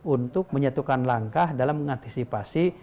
untuk menyatukan langkah dalam mengantisipasi